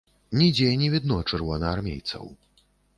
Нідзе не відно чырвонаармейцаў.